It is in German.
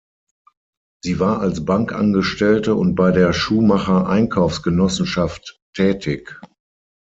Sie war als Bankangestellte und bei der Schuhmacher-Einkaufsgenossenschaft tätig.